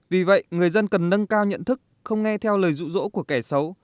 vì vậy người dân cần nâng cao nhận thức không nghe theo lời rụ rỗ của kẻ xấu